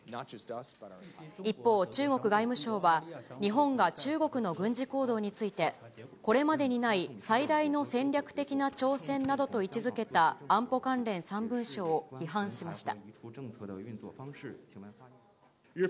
一方、中国外務省は、日本が中国の軍事行動について、これまでにない最大の戦略的な挑戦などと位置づけた安保関連３文書を批判しました。